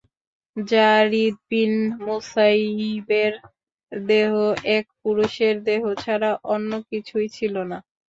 যারীদ বিন মুসাইয়িবের দেহ এক পুরুষের দেহ ছাড়া অন্য কিছুই ছিল না।